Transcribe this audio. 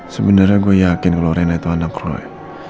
sebenernya gue yakin kalau rena itu anak roy